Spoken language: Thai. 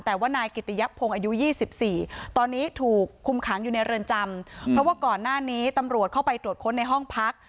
แต่ว่านายกิติยพงศ์อายุ๒๔ตอนนี้ถูกคุมขังอยู่ในเรือนจำเพราะว่าก่อนหน้านี้ตำรวจเข้าไปตรวจค้นในห้องพัก